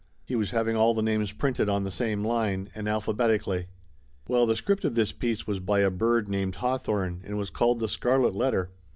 He was having all the names printed on the same line, and alphabeti cally. Well, the script of this piece was by a bird named Hawthorne and was called The Scarlet Letter.